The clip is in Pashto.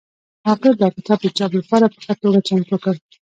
هغه دا کتاب د چاپ لپاره په ښه توګه چمتو کړ.